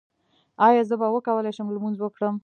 ایا زه به وکولی شم لمونځ وکړم؟